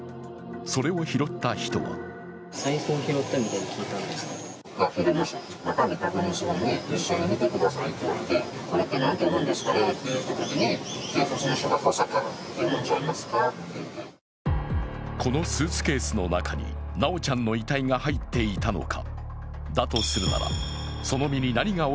それを拾った人はこのスーツケースの中に修ちゃんの遺体が入っていたのか。